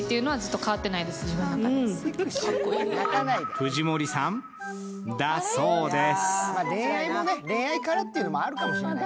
藤森さん、だそうです。